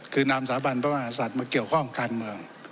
คือนำสาบันพระมหาศัตริย์มาเกี่ยวข้องการเมือง